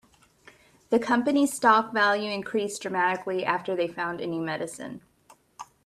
The company's stock value increased dramatically after they found a new medicine.